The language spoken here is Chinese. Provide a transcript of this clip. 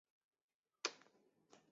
联邦首都帕利基尔位于该州。